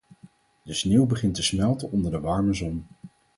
De sneeuw begint te smelten onder de warme zon.